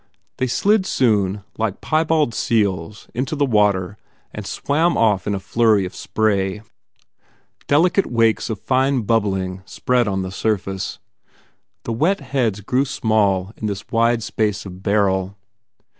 They slid soon like piebald seals into the water and swam off in a flurry of spray and bronze 186 TODGERS INTRUDES arms. Delicate wakes of fine bubbling spread on the surface. The wet heads grew small in this wide space of beryl.